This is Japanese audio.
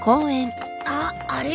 あっあれ？